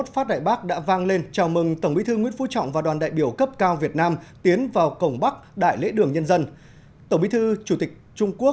hai mươi một phát đại bắc đã vang lên chào mừng tổng bí thư nguyễn phú trọng và đoàn đại biểu cấp cao việt nam tiến vào cổng bắc đại lễ đường nhân dân